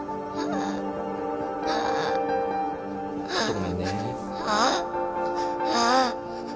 ごめんね。